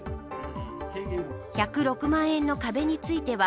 １０６万円の壁については